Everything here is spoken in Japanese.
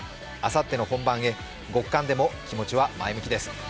あさっての本番へ極寒でも気持ちは前向きです。